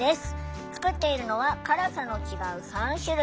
作っているのは辛さの違う３種類。